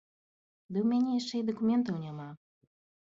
Ды ў мяне яшчэ і дакументаў няма.